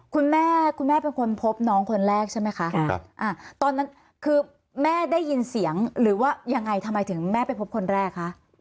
คุณแม่คุณแม่เป็นคนพบน้องคนแรกใช่ไหมคะตอนนั้นคือแม่ได้ยินเสียงหรือว่ายังไงทำไมถึงแม่ไปพบคนแรกคะ